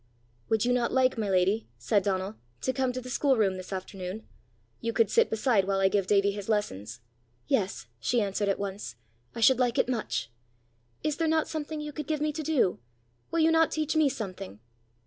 "Would you not like, my lady," said Donal, "to come to the schoolroom this afternoon? You could sit beside while I give Davie his lessons!" "Yes," she answered at once; "I should like it much! Is there not something you could give me to do? Will you not teach me something?"